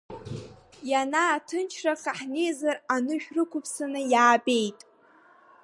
Ианааҭынчраха ҳнеизар, анышә рықәыԥсаны иаабеит.